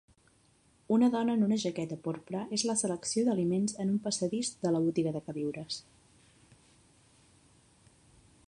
Una dona en una jaqueta porpra és la selecció d'aliments en un passadís de la botiga de queviures.